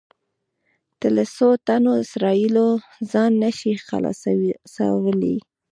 ته له څو تنو اسرایلو ځان نه شې خلاصولی.